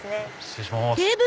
失礼します。